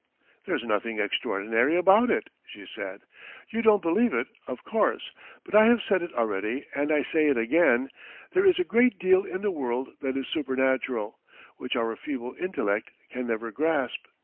"There's nothing extraordinary about it," she said. "You don't believe it, of course, but I have said it already and I say it again: there is a great deal in the world that is supernatural, which our feeble intellect can never grasp.